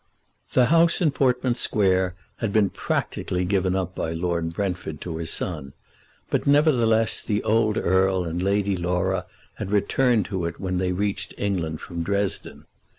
The house in Portman Square had been practically given up by Lord Brentford to his son; but nevertheless the old Earl and Lady Laura had returned to it when they reached England from Dresden.